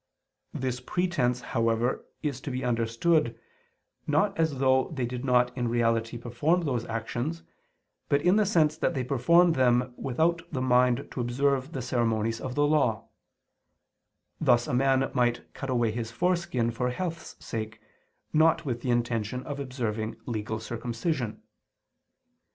This pretense, however, is to be understood, not as though they did not in reality perform those actions, but in the sense that they performed them without the mind to observe the ceremonies of the Law: thus a man might cut away his foreskin for health's sake, not with the intention of observing legal circumcision.